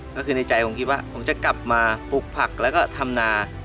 ก็คือในใจผมคิดว่าผมจะกลับมาปลูกผักแล้วก็ทำนา